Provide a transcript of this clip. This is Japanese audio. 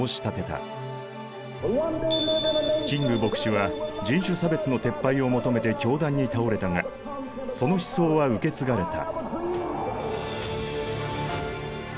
キング牧師は人種差別の撤廃を求めて凶弾に倒れたがその思想は受け継がれた。